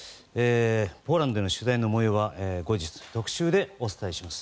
ポーランドでの取材の模様は後日、特集でお伝えします。